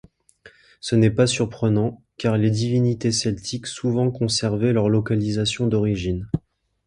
Ce n'est pas surprenant, car les divinités Celtiques souvent conservé leur localisation d'origine.